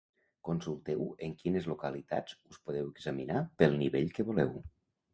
Consulteu en quines localitats us podeu examinar pel nivell que voleu.